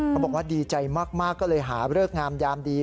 บอกว่าดีใจมากก็เลยหาเลิกงามยามดี